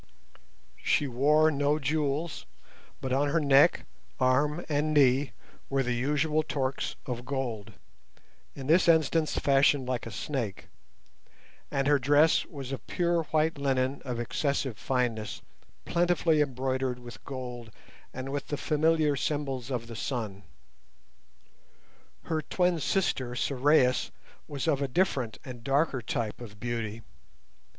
She wore no jewels, but on her neck, arm, and knee were the usual torques of gold, in this instance fashioned like a snake; and her dress was of pure white linen of excessive fineness, plentifully embroidered with gold and with the familiar symbols of the sun. Her twin sister, Sorais, was of a different and darker type of beauty.